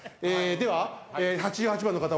では８８番の方